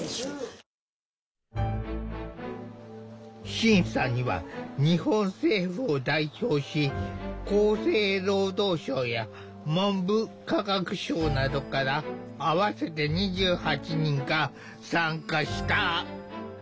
審査には日本政府を代表し厚生労働省や文部科学省などから合わせて２８人が参加した。